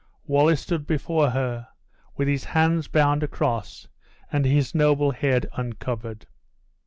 Wallace stood before her, with his hands bound across and his noble head uncovered.